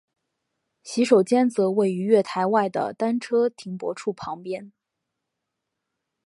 洗手间则位于月台外的单车停泊处旁边。